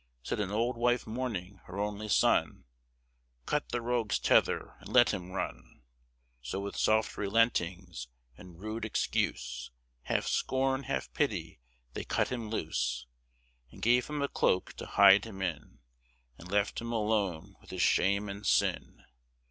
Said an old wife mourning her only son, "Cut the rogue's tether and let him run!" So with soft relentings and rude excuse, Half scorn, half pity, they cut him loose, And gave him a cloak to hide him in, And left him alone with his shame and sin.